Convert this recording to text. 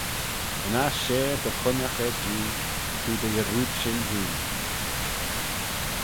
Yn aght share dy chooinaght er Jee, t'eh dy yarrood shin hene.